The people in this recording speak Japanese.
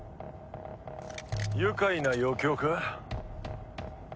愉快な余興か？